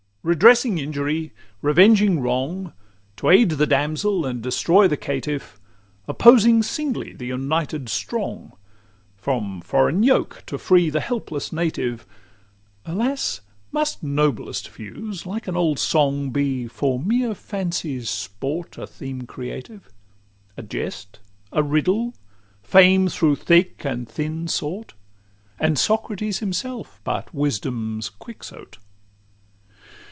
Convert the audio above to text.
X Redressing injury, revenging wrong, To aid the damsel and destroy the caitiff; Opposing singly the united strong, From foreign yoke to free the helpless native: Alas! must noblest views, like an old song, Be for mere fancy's sport a theme creative, A jest, a riddle, Fame through thin and thick sought! And Socrates himself but Wisdom's Quixote?